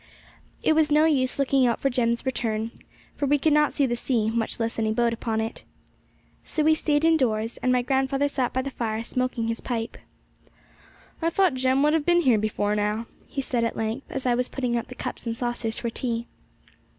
It was no use looking out for Jem's return, for we could not see the sea, much less any boat upon it. So we stayed indoors, and my grandfather sat by the fire smoking his pipe. 'I thought Jem would have been here before now,' he said at length, as I was putting out the cups and saucers for tea.